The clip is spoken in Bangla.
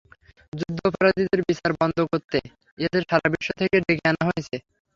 যুদ্ধাপরাধীদের বিচার বন্ধ করতে এদের সারা বিশ্ব থেকে ডেকে আনা হয়েছে।